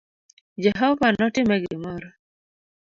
Jehova notim e gimoro